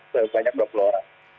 sebanyak dua puluh orang